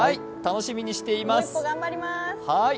楽しみにしています。